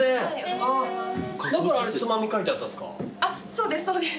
そうですそうです。